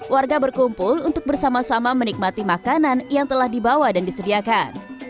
warga berkumpul untuk bersama sama menikmati makanan yang telah dibawa dan disediakan